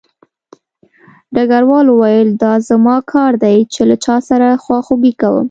ډګروال وویل دا زما کار دی چې له چا سره خواخوږي کوم